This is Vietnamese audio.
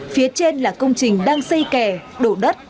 phía trên là công trình đang xây kè đổ đất